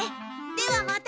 ではまた。